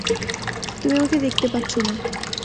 তুমি আমাকে দেখতে পাচ্ছো না।